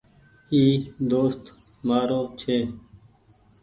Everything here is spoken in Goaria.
ايٚ دوست مآرو ڇي